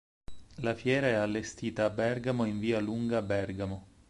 La fiera è allestita a Bergamo in via Lunga Bergamo.